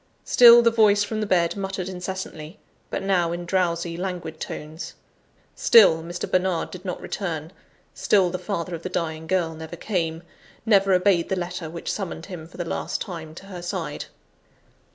Still, the voice from the bed muttered incessantly; but now, in drowsy, languid tones: still, Mr. Bernard did not return: still the father of the dying girl never came, never obeyed the letter which summoned him for the last time to her side.